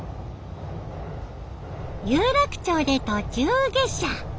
有楽町で途中下車。